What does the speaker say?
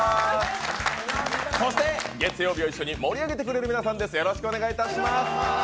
月曜日を一緒に盛り上げてくれる皆さんです。